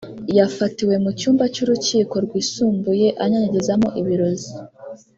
yafatiwe mu cyumba cy’Urukiko rwisumbuye anyanyagizamo ‘ibirozi’